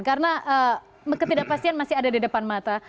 karena ketidakpastian masih ada di depan mata